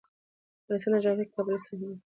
د افغانستان جغرافیه کې کابل ستر اهمیت لري.